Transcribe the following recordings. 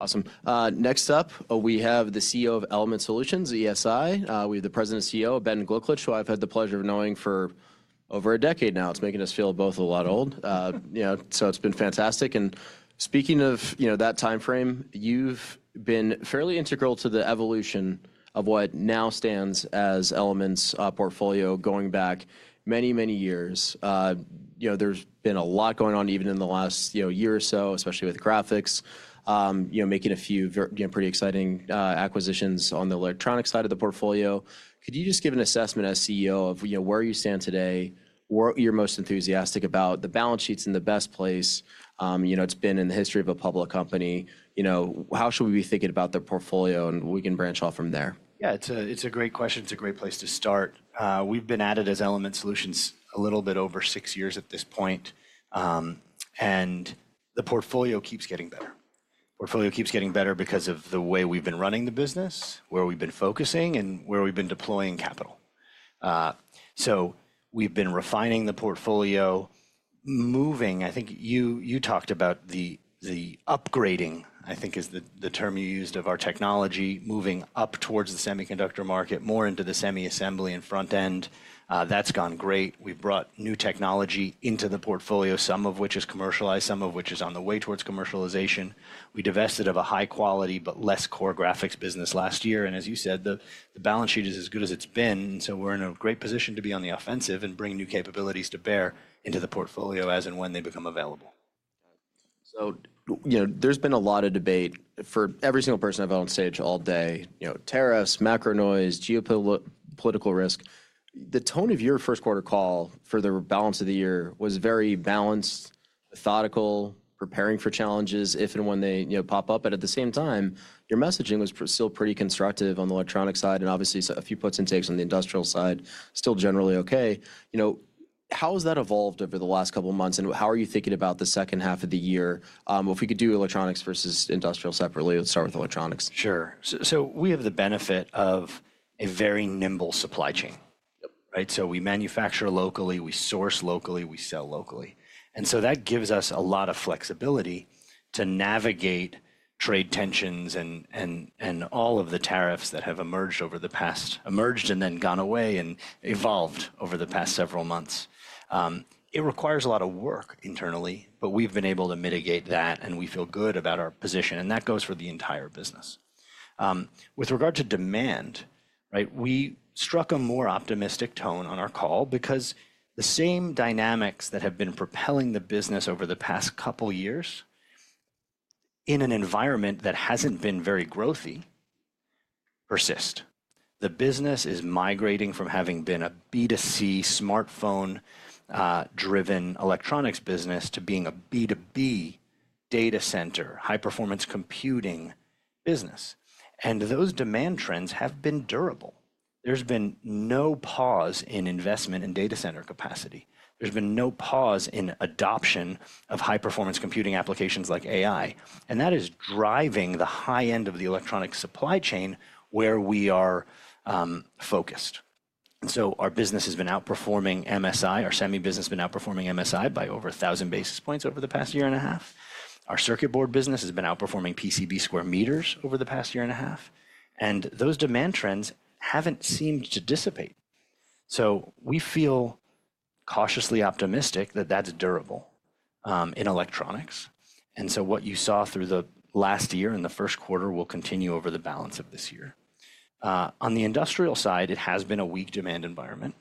Awesome. Next up, we have the CEO of Element Solutions, ESI. We have the President CEO, Ben Gliklich, who I've had the pleasure of knowing for over a decade now. It's making us feel both a lot old. You know, so it's been fantastic. And speaking of, you know, that time frame, you've been fairly integral to the evolution of what now stands as Element's portfolio going back many, many years. You know, there's been a lot going on even in the last, you know, year or so, especially with graphics. You know, making a few pretty exciting acquisitions on the electronic side of the portfolio. Could you just give an assessment as CEO of, you know, where you stand today, what you're most enthusiastic about, the balance sheet's in the best place. You know, it's been in the history of a public company. You know, how should we be thinking about the portfolio? And we can branch off from there. Yeah, it's a great question. It's a great place to start. We've been at Element Solutions a little bit over six years at this point. The portfolio keeps getting better. Portfolio keeps getting better because of the way we've been running the business, where we've been focusing, and where we've been deploying capital. We've been refining the portfolio, moving, I think you talked about the upgrading, I think is the term you used, of our technology, moving up towards the semiconductor market, more into the semi-assembly and front end. That's gone great. We've brought new technology into the portfolio, some of which is commercialized, some of which is on the way towards commercialization. We divested of a high-quality but less core graphics business last year. As you said, the balance sheet is as good as it's been. We're in a great position to be on the offensive and bring new capabilities to bear into the portfolio as and when they become available. You know, there's been a lot of debate for every single person I've had on stage all day, you know, tariffs, macro noise, geopolitical risk. The tone of your first quarter call for the balance of the year was very balanced, methodical, preparing for challenges if and when they pop up. At the same time, your messaging was still pretty constructive on the electronic side. Obviously, a few puts and takes on the industrial side, still generally okay. You know, how has that evolved over the last couple of months? How are you thinking about the second half of the year? If we could do electronics versus industrial separately, let's start with electronics. Sure. We have the benefit of a very nimble supply chain. Right? We manufacture locally, we source locally, we sell locally. That gives us a lot of flexibility to navigate trade tensions and all of the tariffs that have emerged over the past, emerged and then gone away and evolved over the past several months. It requires a lot of work internally, but we've been able to mitigate that, and we feel good about our position. That goes for the entire business. With regard to demand, right, we struck a more optimistic tone on our call because the same dynamics that have been propelling the business over the past couple of years in an environment that has not been very growthy persist. The business is migrating from having been a B2C smartphone-driven electronics business to being a B2B data center, high-performance computing business. Those demand trends have been durable. There has been no pause in investment in data center capacity. There has been no pause in adoption of high-performance computing applications like AI. That is driving the high end of the electronic supply chain where we are focused. Our business has been outperforming MSI. Our semi business has been outperforming MSI by over 1,000 basis points over the past year and a half. Our circuit board business has been outperforming PCB square meters over the past year and a half. Those demand trends have not seemed to dissipate. We feel cautiously optimistic that that is durable in electronics. What you saw through the last year and the first quarter will continue over the balance of this year. On the industrial side, it has been a weak demand environment,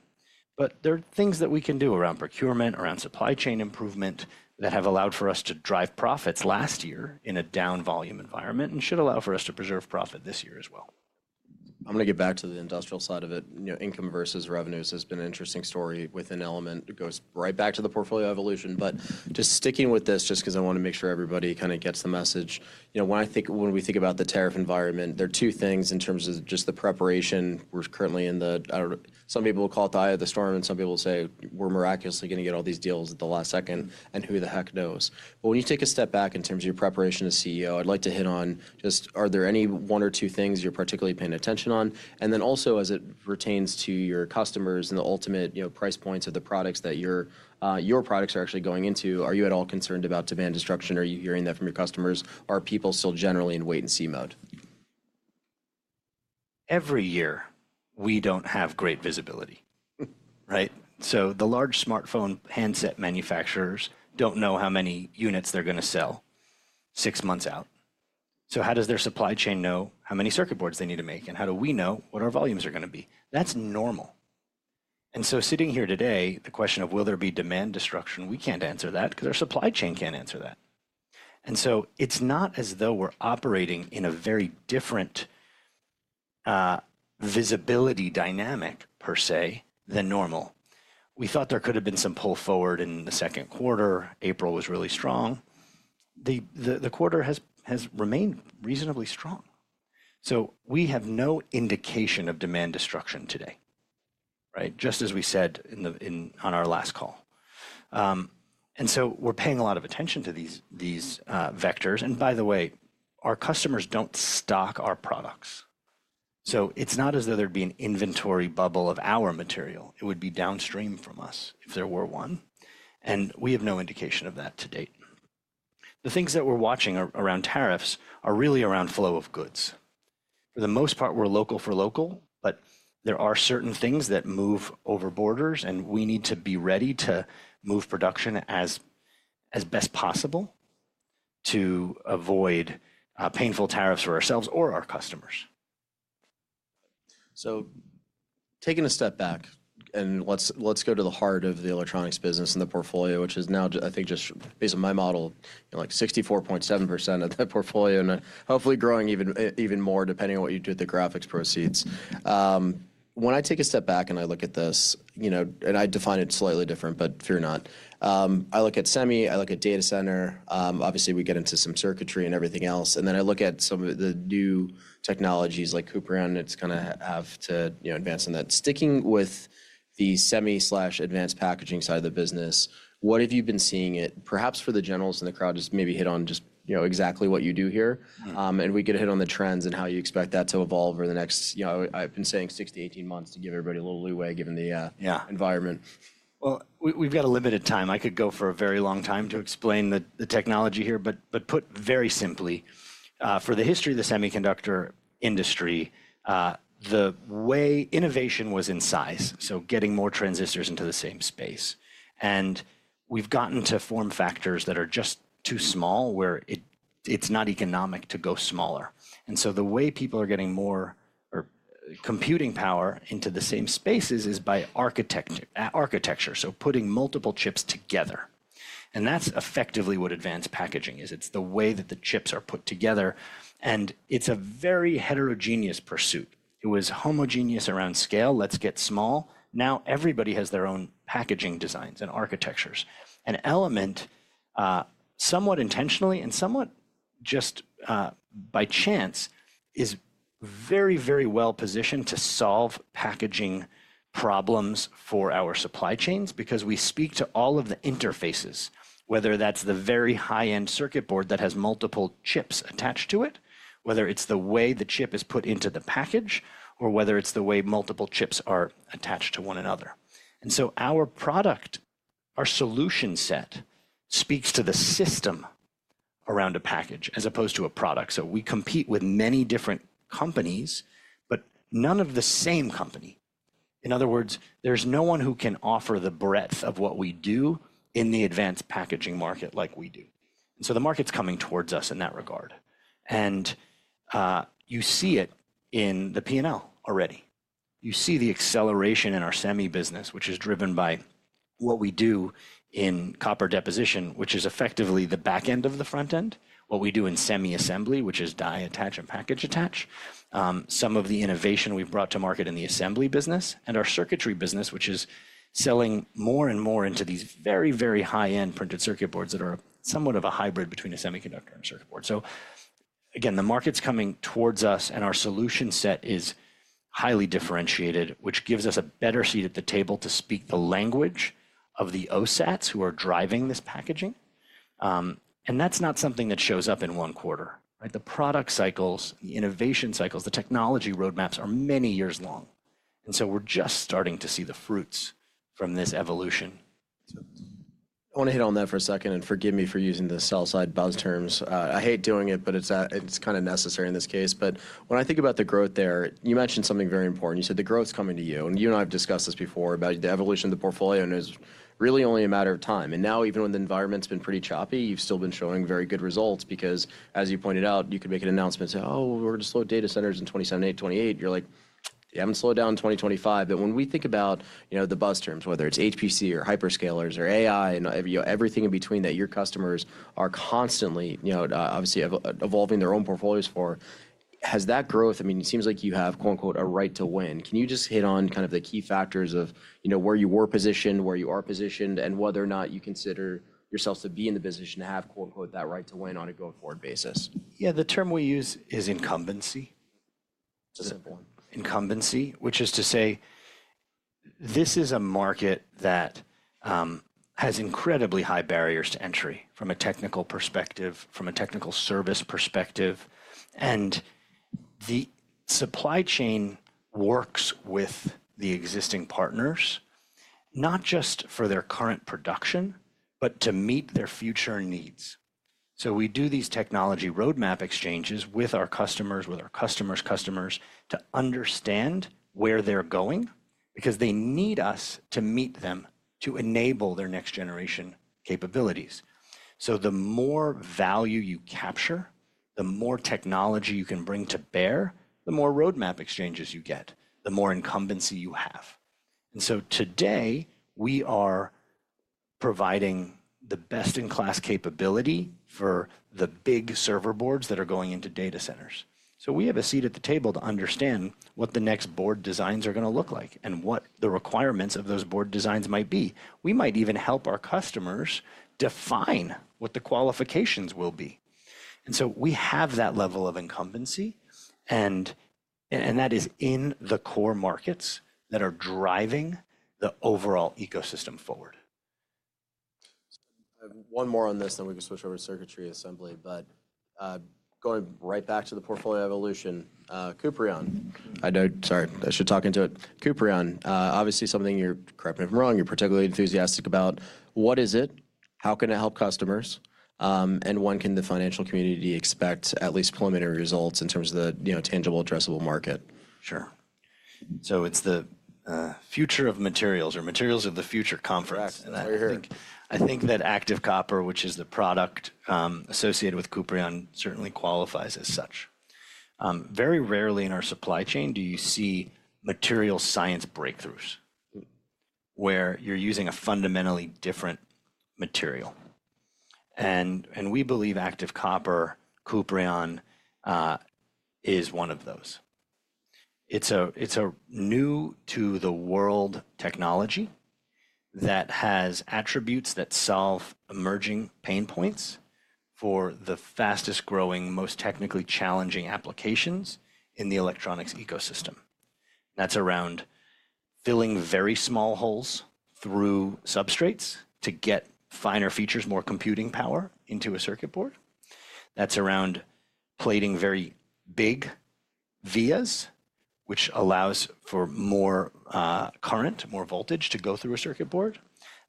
but there are things that we can do around procurement, around supply chain improvement that have allowed for us to drive profits last year in a down volume environment and should allow for us to preserve profit this year as well. I'm going to get back to the industrial side of it. You know, income versus revenues has been an interesting story within Element. It goes right back to the portfolio evolution. Just sticking with this, just because I want to make sure everybody kind of gets the message. You know, when I think, when we think about the tariff environment, there are two things in terms of just the preparation. We're currently in the, some people will call it the eye of the storm, and some people will say, we're miraculously going to get all these deals at the last second, and who the heck knows. When you take a step back in terms of your preparation as CEO, I'd like to hit on just, are there any one or two things you're particularly paying attention on? As it pertains to your customers and the ultimate price points of the products that your products are actually going into, are you at all concerned about demand destruction? Are you hearing that from your customers? Are people still generally in wait-and-see mode? Every year, we do not have great visibility. Right? The large smartphone handset manufacturers do not know how many units they are going to sell six months out. How does their supply chain know how many circuit boards they need to make? How do we know what our volumes are going to be? That is normal. Sitting here today, the question of will there be demand destruction, we cannot answer that because our supply chain cannot answer that. It is not as though we are operating in a very different visibility dynamic, per se, than normal. We thought there could have been some pull forward in the second quarter. April was really strong. The quarter has remained reasonably strong. We have no indication of demand destruction today, right? Just as we said on our last call. We are paying a lot of attention to these vectors. By the way, our customers don't stock our products. It's not as though there'd be an inventory bubble of our material. It would be downstream from us if there were one. We have no indication of that to date. The things that we're watching around tariffs are really around flow of goods. For the most part, we're local for local, but there are certain things that move over borders, and we need to be ready to move production as best possible to avoid painful tariffs for ourselves or our customers. Taking a step back, and let's go to the heart of the electronics business and the portfolio, which is now, I think, just based on my model, like 64.7% of the portfolio and hopefully growing even more depending on what you do with the graphics proceeds. When I take a step back and I look at this, you know, and I define it slightly different, but fear not. I look at semi, I look at data center. Obviously, we get into some circuitry and everything else. Then I look at some of the new technologies like Kuprion. It's kind of have to advance in that. Sticking with the semi/advanced packaging side of the business, what have you been seeing? Perhaps for the generals in the crowd, just maybe hit on just exactly what you do here. We get a hit on the trends and how you expect that to evolve over the next, you know, I've been saying six to 18 months to give everybody a little leeway given the environment. We have a limited time. I could go for a very long time to explain the technology here, but put very simply. For the history of the semiconductor industry, the way innovation was in size, so getting more transistors into the same space. We have gotten to form factors that are just too small where it is not economic to go smaller. The way people are getting more computing power into the same spaces is by architecture, so putting multiple chips together. That is effectively what advanced packaging is. It is the way that the chips are put together. It is a very heterogeneous pursuit. It was homogeneous around scale. Let's get small. Now everybody has their own packaging designs and architectures. Element, somewhat intentionally and somewhat just by chance, is very, very well positioned to solve packaging problems for our supply chains because we speak to all of the interfaces, whether that's the very high-end circuit board that has multiple chips attached to it, whether it's the way the chip is put into the package, or whether it's the way multiple chips are attached to one another. Our product, our solution set speaks to the system around a package as opposed to a product. We compete with many different companies, but none of the same company. In other words, there's no one who can offer the breadth of what we do in the advanced packaging market like we do. The market's coming towards us in that regard. You see it in the P&L already. You see the acceleration in our semi business, which is driven by what we do in copper deposition, which is effectively the back end of the front end, what we do in semi assembly, which is die attach and package attach, some of the innovation we've brought to market in the assembly business, and our circuitry business, which is selling more and more into these very, very high-end printed circuit boards that are somewhat of a hybrid between a semiconductor and a circuit board. The market's coming towards us, and our solution set is highly differentiated, which gives us a better seat at the table to speak the language of the OSATs who are driving this packaging. That's not something that shows up in one quarter. The product cycles, the innovation cycles, the technology roadmaps are many years long. We're just starting to see the fruits from this evolution. I want to hit on that for a second, and forgive me for using the sell-side buzz terms. I hate doing it, but it's kind of necessary in this case. When I think about the growth there, you mentioned something very important. You said the growth's coming to you. You and I have discussed this before about the evolution of the portfolio and it's really only a matter of time. Now, even when the environment's been pretty choppy, you've still been showing very good results because, as you pointed out, you could make an announcement, say, "Oh, we're going to slow data centers in 2027, 2028." You're like, "Yeah, I'm going to slow down in 2025." When we think about the buzz terms, whether it's HPC or hyperscalers or AI and everything in between that your customers are constantly, obviously, evolving their own portfolios for, has that growth, I mean, it seems like you have "a right to win." Can you just hit on kind of the key factors of where you were positioned, where you are positioned, and whether or not you consider yourself to be in the position to have "that right to win" on a go-forward basis? Yeah, the term we use is incumbency. That's a simple one. Incumbency, which is to say this is a market that has incredibly high barriers to entry from a technical perspective, from a technical service perspective. The supply chain works with the existing partners, not just for their current production, but to meet their future needs. We do these technology roadmap exchanges with our customers, with our customers' customers to understand where they're going because they need us to meet them to enable their next generation capabilities. The more value you capture, the more technology you can bring to bear, the more roadmap exchanges you get, the more incumbency you have. Today, we are providing the best-in-class capability for the big server boards that are going into data centers. We have a seat at the table to understand what the next board designs are going to look like and what the requirements of those board designs might be. We might even help our customers define what the qualifications will be. We have that level of incumbency, and that is in the core markets that are driving the overall ecosystem forward. One more on this, then we can switch over to circuitry assembly. Going right back to the portfolio evolution, Kuprion. I know, sorry, I should talk into it. Kuprion, obviously something you're, correct me if I'm wrong, you're particularly enthusiastic about. What is it? How can it help customers? And when can the financial community expect at least preliminary results in terms of the tangible, addressable market? Sure. It's the future of materials or materials of the future conference. Correct. I think that Active Copper, which is the product associated with Kuprion, certainly qualifies as such. Very rarely in our supply chain do you see material science breakthroughs where you're using a fundamentally different material. We believe Active Copper, Kuprion, is one of those. It's a new-to-the-world technology that has attributes that solve emerging pain points for the fastest-growing, most technically challenging applications in the electronics ecosystem. That's around filling very small holes through substrates to get finer features, more computing power into a circuit board. That's around plating very big vias, which allows for more current, more voltage to go through a circuit board.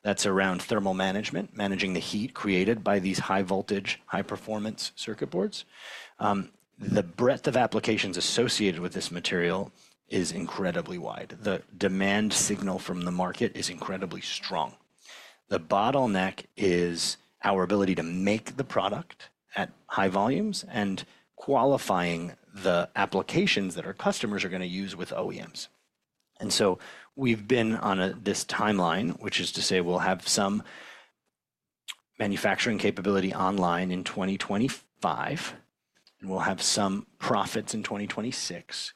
That's around thermal management, managing the heat created by these high-voltage, high-performance circuit boards. The breadth of applications associated with this material is incredibly wide. The demand signal from the market is incredibly strong. The bottleneck is our ability to make the product at high volumes and qualifying the applications that our customers are going to use with OEMs. We have been on this timeline, which is to say we will have some manufacturing capability online in 2025, and we will have some profits in 2026.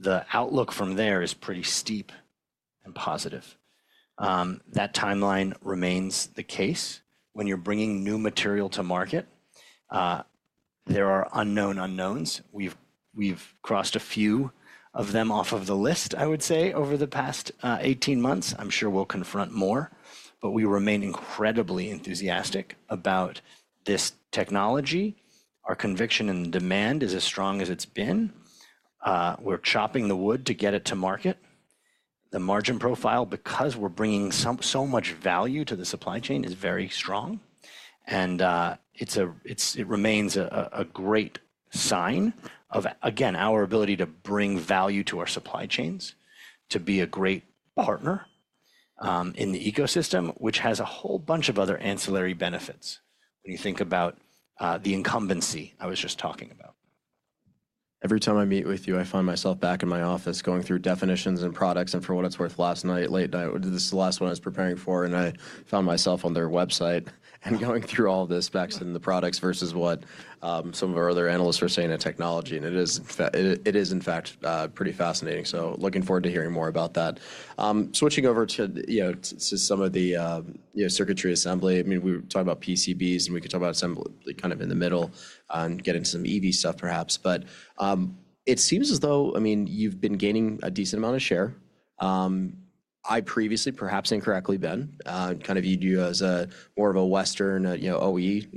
The outlook from there is pretty steep and positive. That timeline remains the case. When you are bringing new material to market. There are unknown unknowns. We have crossed a few of them off of the list, I would say, over the past 18 months. I am sure we will confront more. We remain incredibly enthusiastic about this technology. Our conviction in demand is as strong as it has been. We are chopping the wood to get it to market. The margin profile, because we are bringing so much value to the supply chain, is very strong. It remains a great sign of, again, our ability to bring value to our supply chains, to be a great partner in the ecosystem, which has a whole bunch of other ancillary benefits when you think about the incumbency I was just talking about. Every time I meet with you, I find myself back in my office going through definitions and products. And for what it's worth, last night, late night, this is the last one I was preparing for, and I found myself on their website and going through all this back to the products versus what some of our other analysts were saying in technology. And it is, in fact, pretty fascinating. So looking forward to hearing more about that. Switching over to some of the circuitry assembly, I mean, we were talking about PCBs, and we could talk about assembly kind of in the middle and get into some EV stuff, perhaps. But it seems as though, I mean, you've been gaining a decent amount of share. I previously, perhaps incorrectly, Ben, kind of viewed you as more of a Western OE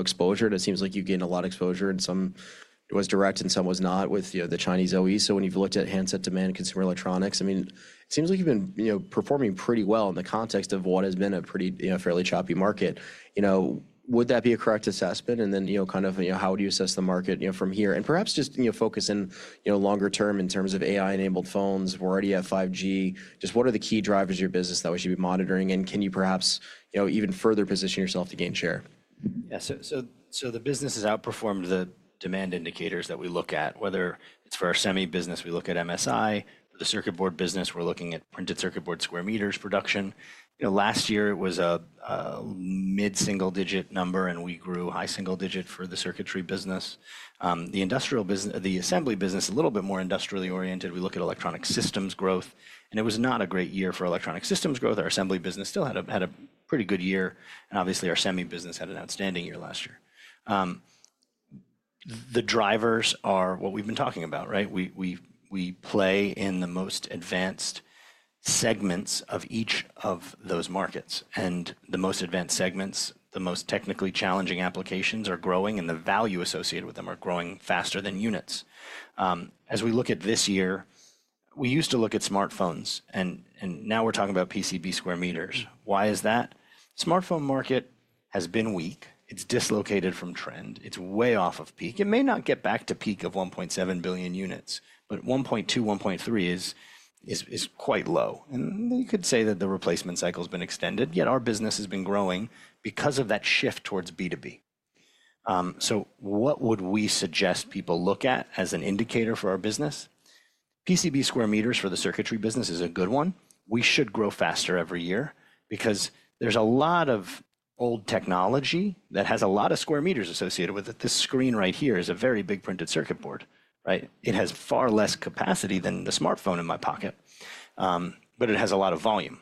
exposure. It seems like you've gained a lot of exposure, and some was direct and some was not with the Chinese OE. When you've looked at handset demand and consumer electronics, I mean, it seems like you've been performing pretty well in the context of what has been a fairly choppy market. Would that be a correct assessment? How would you assess the market from here? Perhaps just focusing longer term in terms of AI-enabled phones. We're already at 5G. What are the key drivers of your business that we should be monitoring? Can you perhaps even further position yourself to gain share? Yeah, so the business has outperformed the demand indicators that we look at, whether it's for our semi business, we look at MSI. For the circuit board business, we're looking at printed circuit board square meters production. Last year, it was a mid-single-digit number, and we grew high single-digit for the circuitry business. The assembly business, a little bit more industrially oriented, we look at electronic systems growth. It was not a great year for electronic systems growth. Our assembly business still had a pretty good year. Obviously, our semi business had an outstanding year last year. The drivers are what we've been talking about. We play in the most advanced segments of each of those markets. The most advanced segments, the most technically challenging applications are growing, and the value associated with them are growing faster than units. As we look at this year, we used to look at smartphones, and now we're talking about PCB square meters. Why is that? Smartphone market has been weak. It's dislocated from trend. It's way off of peak. It may not get back to peak of 1.7 billion units, but 1.2 billion units, 1.3 billion unit is quite low. And you could say that the replacement cycle has been extended, yet our business has been growing because of that shift towards B2B. So what would we suggest people look at as an indicator for our business? PCB square meters for the circuitry business is a good one. We should grow faster every year because there's a lot of old technology that has a lot of square meters associated with it. This screen right here is a very big printed circuit board, right? It has far less capacity than the smartphone in my pocket, but it has a lot of volume.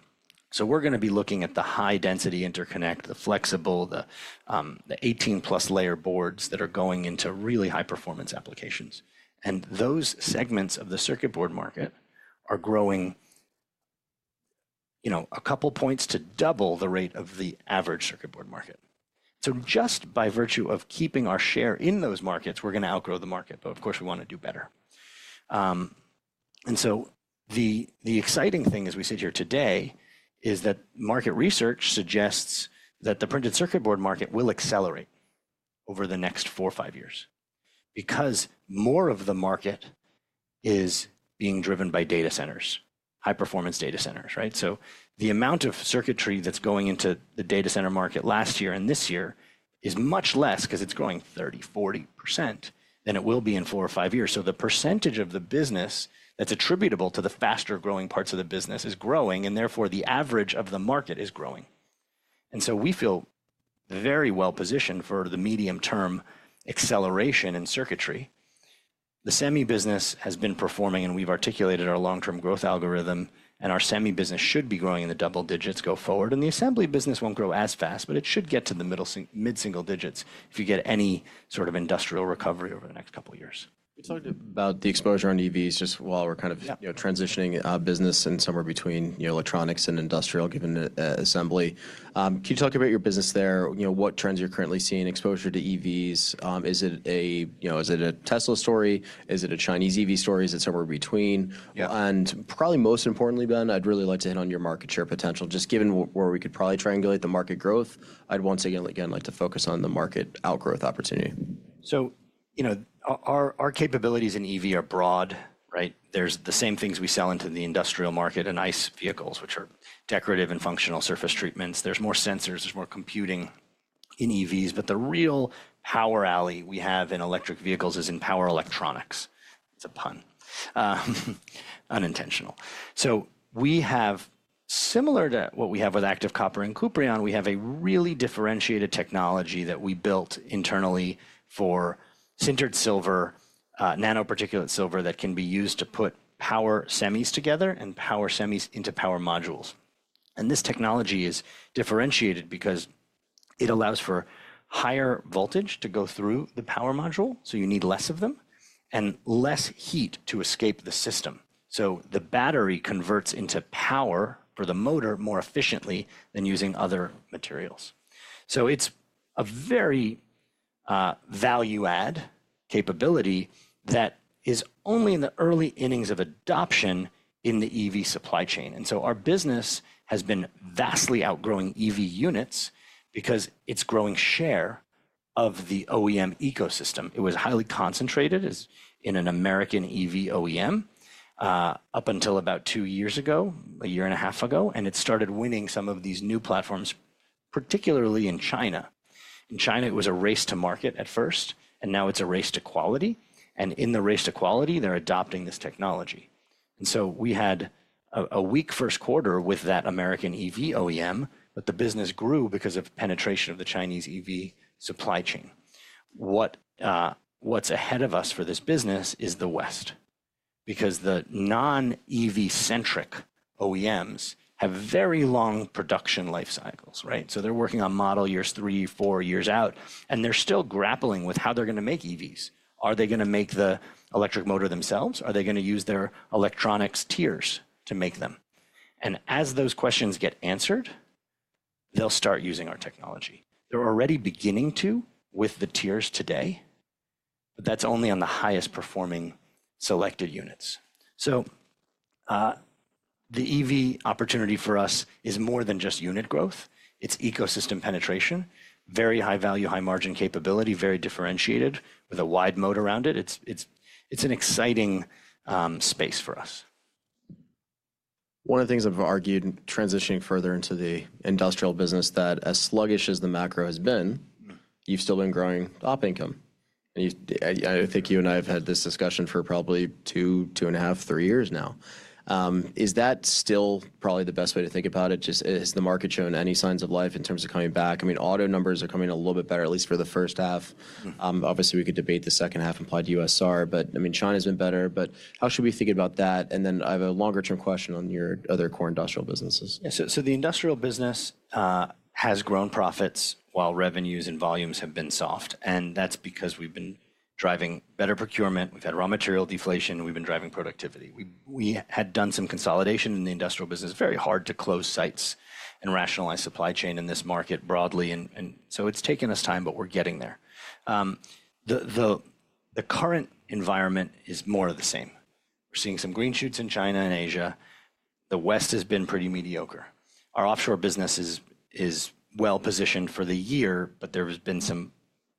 We are going to be looking at the high-density interconnect, the flexible, the 18+ layer boards that are going into really high-performance applications. Those segments of the circuit board market are growing a couple points to double the rate of the average circuit board market. Just by virtue of keeping our share in those markets, we are going to outgrow the market. Of course, we want to do better. The exciting thing as we sit here today is that market research suggests that the printed circuit board market will accelerate over the next four or five years because more of the market is being driven by data centers, high-performance data centers, right? The amount of circuitry that's going into the data center market last year and this year is much less because it's growing 30%-40% than it will be in four or five years. The percentage of the business that's attributable to the faster growing parts of the business is growing, and therefore, the average of the market is growing. We feel very well positioned for the medium-term acceleration in circuitry. The semi business has been performing, and we've articulated our long-term growth algorithm, and our semi business should be growing in the double digits go forward. The assembly business won't grow as fast, but it should get to the mid-single digits if you get any sort of industrial recovery over the next couple of years. We talked about the exposure on EVs just while we're kind of transitioning business and somewhere between electronics and industrial, given assembly. Can you talk about your business there? What trends are you currently seeing? Exposure to EVs? Is it a Tesla story? Is it a Chinese EV story? Is it somewhere between? Probably most importantly, Ben, I'd really like to hit on your market share potential. Just given where we could probably triangulate the market growth, I'd once again like to focus on the market outgrowth opportunity. Our capabilities in EV are broad, right? There are the same things we sell into the industrial market and ICE vehicles, which are decorative and functional surface treatments. There are more sensors. There is more computing in EVs. The real power alley we have in electric vehicles is in power electronics. It is a pun. Unintentional. We have, similar to what we have with Active Copper and Kuprion, we have a really differentiated technology that we built internally for Sintered Silver, nanoparticulate silver that can be used to put power semis together and power semis into power modules. This technology is differentiated because it allows for higher voltage to go through the power module, so you need fewer of them, and less heat to escape the system. The battery converts into power for the motor more efficiently than using other materials. It is a very value-add capability that is only in the early innings of adoption in the EV supply chain. Our business has been vastly outgrowing EV units because it is growing share of the OEM ecosystem. It was highly concentrated in an American EV OEM up until about two years ago, a year and a half ago, and it started winning some of these new platforms, particularly in China. In China, it was a race to market at first, and now it is a race to quality. In the race to quality, they are adopting this technology. We had a weak first quarter with that American EV OEM, but the business grew because of penetration of the Chinese EV supply chain. What is ahead of us for this business is the West because the non-EV-centric OEMs have very long production life cycles, right? They're working on model years three, four years out, and they're still grappling with how they're going to make EVs. Are they going to make the electric motor themselves? Are they going to use their electronics tiers to make them? As those questions get answered, they'll start using our technology. They're already beginning to with the tiers today, but that's only on the highest performing selected units. The EV opportunity for us is more than just unit growth. It's ecosystem penetration, very high value, high margin capability, very differentiated with a wide moat around it. It's an exciting space for us. One of the things I've argued transitioning further into the industrial business is that as sluggish as the macro has been, you've still been growing top income. I think you and I have had this discussion for probably two, two and a half, three years now. Is that still probably the best way to think about it? Has the market shown any signs of life in terms of coming back? I mean, auto numbers are coming a little bit better, at least for the first half. Obviously, we could debate the second half implied to USR, but I mean, China has been better. How should we think about that? I have a longer-term question on your other core industrial businesses. Yeah, so the industrial business has grown profits while revenues and volumes have been soft. That's because we've been driving better procurement. We've had raw material deflation. We've been driving productivity. We had done some consolidation in the industrial business. Very hard to close sites and rationalize supply chain in this market broadly. It's taken us time, but we're getting there. The current environment is more of the same. We're seeing some green shoots in China and Asia. The West has been pretty mediocre. Our offshore business is well positioned for the year, but there have been some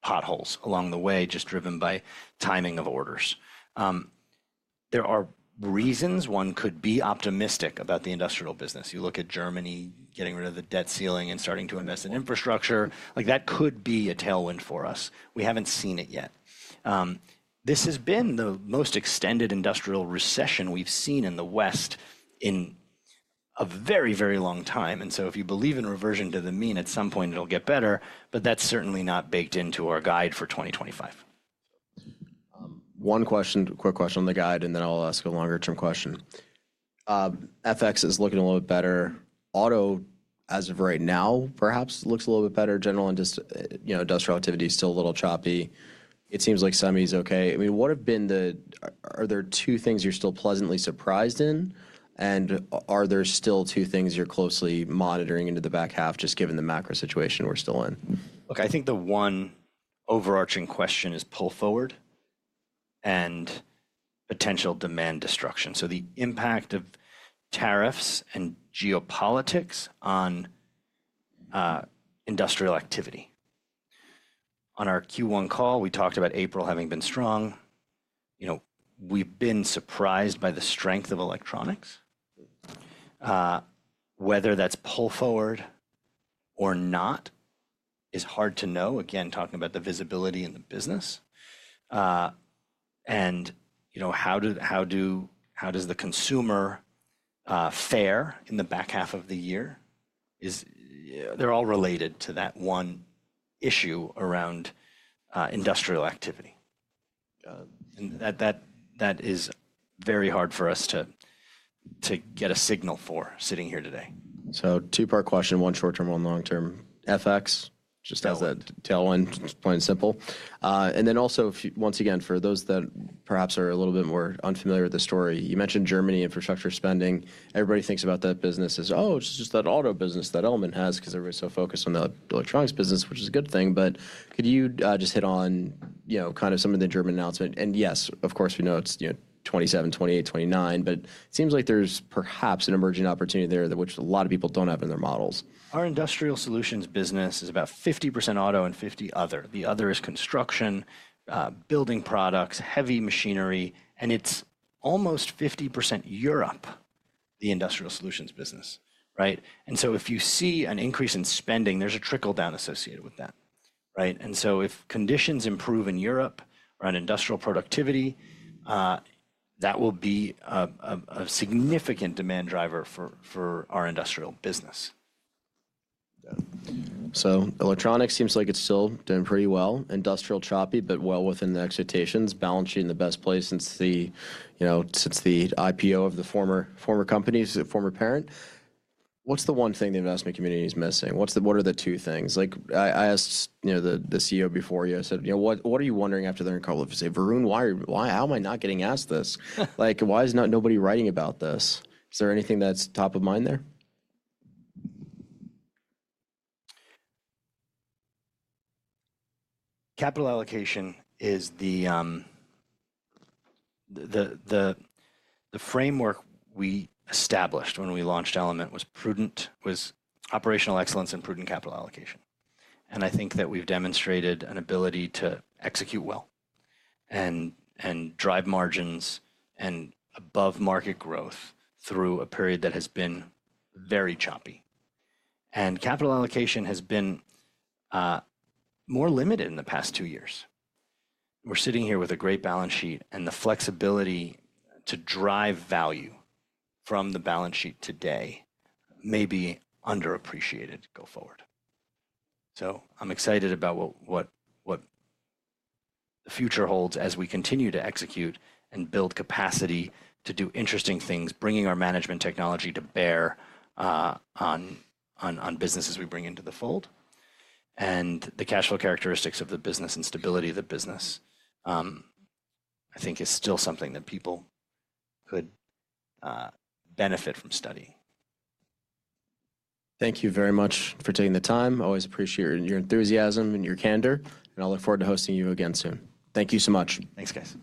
potholes along the way just driven by timing of orders. There are reasons one could be optimistic about the industrial business. You look at Germany getting rid of the debt ceiling and starting to invest in infrastructure. That could be a tailwind for us. We haven't seen it yet. This has been the most extended industrial recession we've seen in the West in a very, very long time. If you believe in reversion to the mean, at some point, it'll get better, but that's certainly not baked into our guide for 2025. One question, quick question on the guide, and then I'll ask a longer-term question. FX is looking a little bit better. Auto, as of right now, perhaps looks a little bit better. General industrial activity is still a little choppy. It seems like semi is okay. I mean, what have been the, are there two things you're still pleasantly surprised in? And are there still two things you're closely monitoring into the back half, just given the macro situation we're still in? Look, I think the one overarching question is pull forward and potential demand destruction. The impact of tariffs and geopolitics on industrial activity. On our Q1 call, we talked about April having been strong. We've been surprised by the strength of electronics. Whether that's pull forward or not is hard to know, again, talking about the visibility in the business. How does the consumer fare in the back half of the year? They're all related to that one issue around industrial activity. That is very hard for us to get a signal for sitting here today. Two-part question, one short-term, one long-term. FX, just as a tailwind, plain and simple. Also, once again, for those that perhaps are a little bit more unfamiliar with the story, you mentioned Germany infrastructure spending. Everybody thinks about that business as, oh, it's just that auto business that Element Solutions has because everybody's so focused on the electronics business, which is a good thing. Could you just hit on kind of some of the German announcement? Yes, of course, we know it's 2027, 2028, 2029, but it seems like there's perhaps an emerging opportunity there that a lot of people don't have in their models. Our industrial solutions business is about 50% auto and 50% other. The other is construction, building products, heavy machinery, and it is almost 50% Europe, the industrial solutions business, right? If you see an increase in spending, there is a trickle-down associated with that, right? If conditions improve in Europe around industrial productivity, that will be a significant demand driver for our industrial business. Electronics seems like it's still doing pretty well. Industrial choppy, but well within the expectations, balance sheet in the best place since the IPO of the former companies, former parent. What's the one thing the investment community is missing? What are the two things? I asked the CEO before you. I said, what are you wondering after they're in couple of years? Varun, why am I not getting asked this? Why is nobody writing about this? Is there anything that's top of mind there? Capital allocation is the framework we established when we launched Element was operational excellence and prudent capital allocation. I think that we've demonstrated an ability to execute well and drive margins and above market growth through a period that has been very choppy. Capital allocation has been more limited in the past two years. We're sitting here with a great balance sheet, and the flexibility to drive value from the balance sheet today may be underappreciated go forward. I'm excited about what the future holds as we continue to execute and build capacity to do interesting things, bringing our management technology to bear on businesses we bring into the fold. The cash flow characteristics of the business and stability of the business, I think, is still something that people could benefit from studying. Thank you very much for taking the time. I always appreciate your enthusiasm and your candor, and I'll look forward to hosting you again soon. Thank you so much. Thanks, guys.